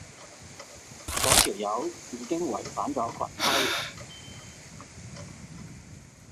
嗰條友已經違反咗群規